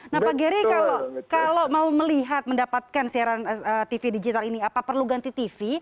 nah pak geri kalau mau melihat mendapatkan siaran tv digital ini apa perlu ganti tv